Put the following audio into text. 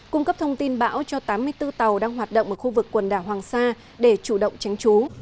cung cấp thông tin bão cho tám mươi bốn tàu đang hoạt động ở khu vực quần đảo hoàng sa để chủ động tránh trú